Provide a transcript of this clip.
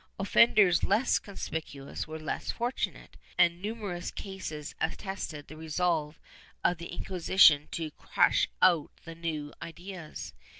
^ Offenders less conspicuous were less fortunate, and numerous cases attested the resolve of the Inquisition to crush out the new ideas.